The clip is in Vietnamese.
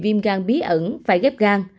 viêm gan bí ẩn phải ghép gan